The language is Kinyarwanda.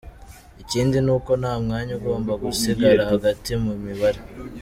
Ikindi ni uko nta mwanya ugomba gusigara hagati mu mibare.